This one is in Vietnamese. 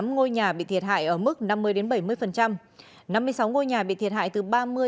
một mươi tám ngôi nhà bị thiệt hại ở mức năm mươi bảy mươi năm mươi sáu ngôi nhà bị thiệt hại từ ba mươi năm mươi